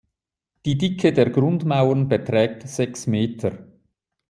Die Dicke der Grundmauern beträgt sechs Meter.